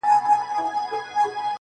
چي سُجده پکي، نور په ولاړه کيږي.